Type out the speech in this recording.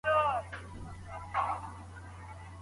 اقتصاد پوهنځۍ په زوره نه تحمیلیږي.